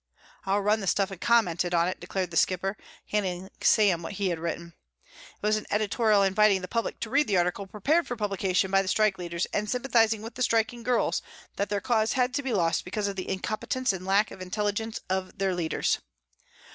"I'll run the stuff and comment on it," declared The Skipper, handing Sam what he had written. It was an editorial inviting the public to read the article prepared for publication by the strike leaders and sympathising with the striking girls that their cause had to be lost because of the incompetence and lack of intelligence of their leaders.